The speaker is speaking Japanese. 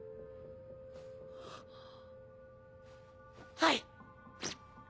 はい！